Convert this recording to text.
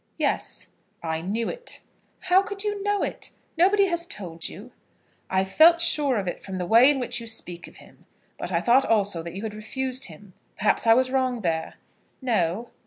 "Yes." "I knew it." "How could you know it? Nobody has told you." "I felt sure of it from the way in which you speak of him. But I thought also that you had refused him. Perhaps I was wrong there?" "No."